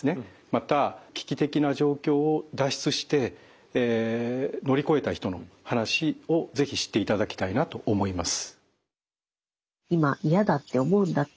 また危機的な状況を脱出して乗り越えた人の話を是非知っていただきたいなと思います。